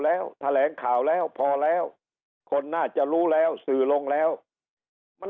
แล้วแถลงข่าวแล้วพอแล้วคนน่าจะรู้แล้วสื่อลงแล้วมัน